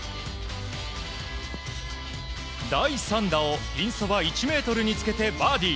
第３打をピンそば１ｍにつけてバーディー。